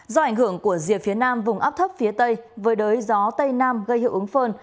do ảnh hưởng của rìa phía nam vùng áp thấp phía tây với đới gió tây nam gây hiệu ứng phơn